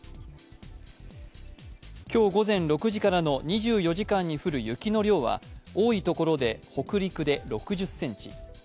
今日午前６時からの２４時間に降る雪の量は多いところで北陸で６０センチ